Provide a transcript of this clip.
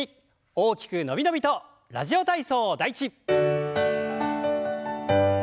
大きく伸び伸びと「ラジオ体操第１」。